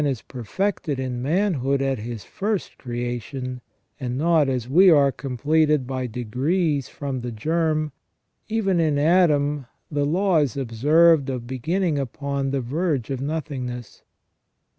is perfected in manhood at his first creation, and not as we are completed by degrees fi om the germ, even in Adam the law is observed of beginning upon the verge of nothingness.